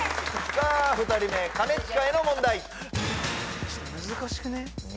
さあ２人目兼近への問題難しくね？